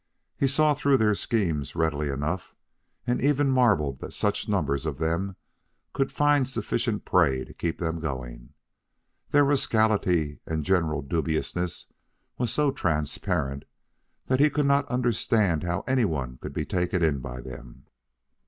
He saw through their schemes readily enough, and even marveled that such numbers of them could find sufficient prey to keep them going. Their rascality and general dubiousness was so transparent that he could not understand how any one could be taken in by them.